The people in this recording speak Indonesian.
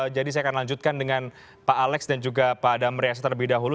jadi saya akan lanjutkan dengan pak alex dan juga pak damriasa terlebih dahulu